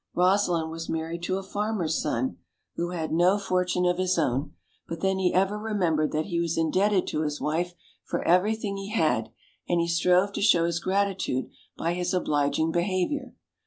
Rosalind was married to a farmer's son, who had no 34 OLD. OLD FAIRY TALES. fortune of his own; but then he ever remembered that he was indebted to his wife for everything he had, and he strove to show his gratitude by his obliging behavior.